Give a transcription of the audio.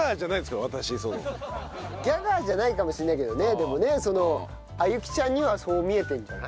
ギャガーじゃないかもしれないけどねでもねそのあゆきちゃんにはそう見えてるんじゃない？